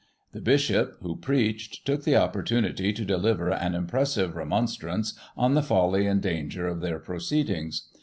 The Bishop, who preached, took the opportunity to deliver an impressive re« monstrance on the folly and danger of their proceedings.